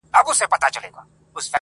هسي نه چي لیري ولاړ سو په مزلونو-